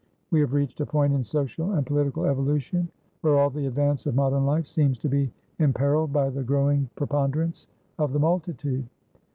We have reached a point in social and political evolution where all the advance of modern life seems to be imperilled by the growing preponderance of the multitude.